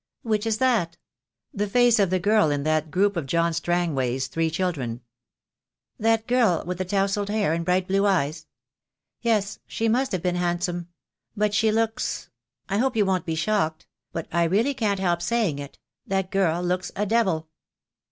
"Which is that?" "The face of the girl in that group of John Strang way's three children." "That girl with the towsled hair and bright blue eyes. Yes, she must have been handsome — but she looks — I hope you won't be shocked, but I really can't help saying it — that girl looks a devil."